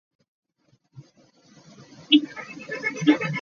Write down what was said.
Omusango bijanjalo obikutta kiro .